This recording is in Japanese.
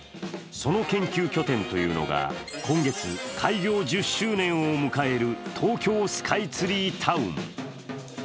その研究拠点というのが、今月、開業１０周年を迎える東京スカイツリータウン。